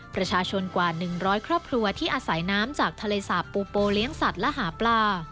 ประชาชนกว่า๑๐๐ครอบครัวที่อาศัยน้ำจากทะเลสาบปูโปเลี้ยงสัตว์และหาปลา